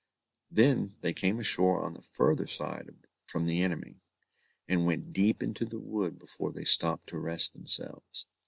Then they came ashore on the further side from the enemy, and went deep into the wood before they stopped to rest themselves.